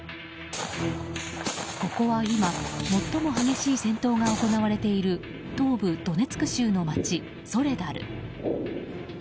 ここは今、最も激しい戦闘が行われている東部ドネツク州の街ソレダル。